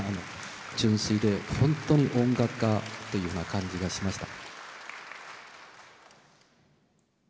純粋で、本当に音楽家というふうな感じがしました。